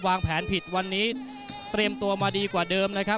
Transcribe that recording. วางแผนผิดวันนี้เตรียมตัวมาดีกว่าเดิมนะครับ